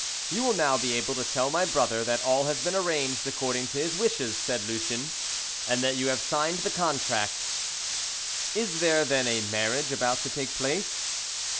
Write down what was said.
"You will now be able to tell my brother that all has been arranged according to his wishes," said Lucien, "and that you have signed the contract." "Is there, then, a marriage about to take place?"